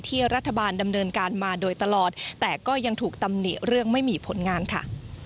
รัฐบาลดำเนินการมาโดยตลอดแต่ก็ยังถูกตำหนิเรื่องไม่มีผลงานค่ะ